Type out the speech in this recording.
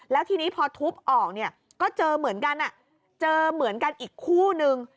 แล้วทีนี้พอทุบออกก็เจอเหมือนกันอีกคู่หนึ่ง